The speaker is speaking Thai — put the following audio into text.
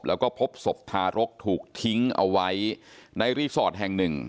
แล้วก็พบศพทารกถูกทิ้งเอาไว้ในรีสอร์ทแห่งหนึ่ง